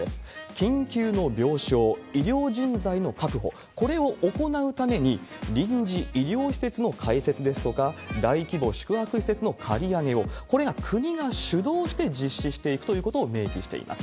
緊急の病床、医療人材の確保、これを行うために、臨時医療施設の開設ですとか、大規模宿泊施設の借り上げを、これを国が主導して実施していくということを明記しています。